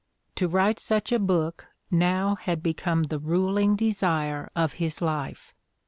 To write such a book now had become the ruling desire of his life.